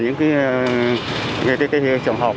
những cái trường hợp